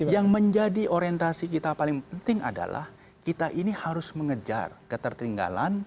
yang menjadi orientasi kita paling penting adalah kita ini harus mengejar ketertinggalan